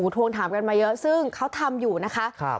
ทวงถามกันมาเยอะซึ่งเขาทำอยู่นะคะ